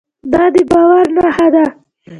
دا د باور نښه ده.